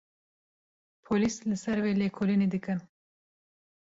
Polîs li ser wî lêkolînê dikin.